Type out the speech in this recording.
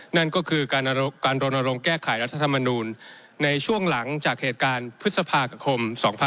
นั่นก็คือการรณรงค์แก้ไขรัฐธรรมนูลในช่วงหลังจากเหตุการณ์พฤษภาคม๒๕๖๒